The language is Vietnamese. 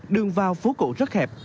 đường vào phố cổ rất hẹp